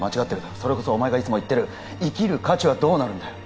それこそお前がいつも言ってる生きる価値はどうなるんだよ